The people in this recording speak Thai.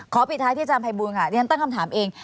ขอปิดท้ายที่อาจารย์ไพบูลค่ะเรียนทำตั้งคำถามเอง